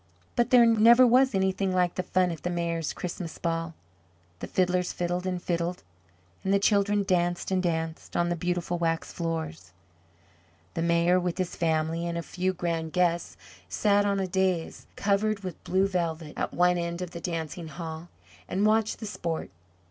But there never was anything like the fun at the Mayor's Christmas ball. The fiddlers fiddled and fiddled, and the children danced and danced on the beautiful waxed floors. The Mayor, with his family and a few grand guests, sat on a dais covered with blue velvet at one end of the dancing hall, and watched the sport.